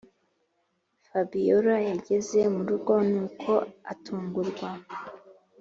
fabiora yageze murugo nuko atungurwa